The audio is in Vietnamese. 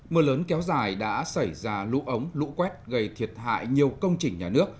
mưa lớn kéo dài đã xảy ra lũ ống lũ quét gây thiệt hại nhiều công trình nhà nước